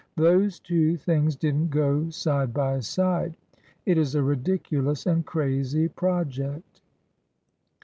Those two things didn't go side by side. It is a ridiculous and crazy project.